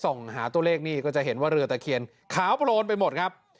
ส่องหาตัวเลขนี่ก็จะเห็นว่าเรือตะเคียนขาวโปรนไปหมดครับ